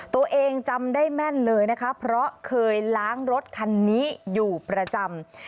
ตัวเองจำได้แม่นเลยนะคะเพราะเคยล้างรถคันนี้อยู่ประจำ